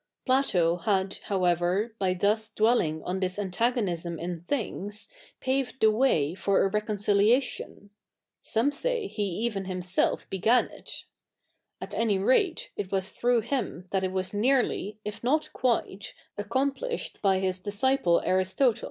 * Plato had, however, by thus divelling 07i this a7ttag07iism in fhi/tgs, paved the ivayfor a 7 eco7iciliatio7i — S077ie say he eve7i hhiself bega7i it. At a7iy rate, it was through him that it was 7iearly, if 7iot quite, accomplished by his disciple Aristotle.